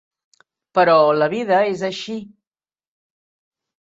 Però la vida és així.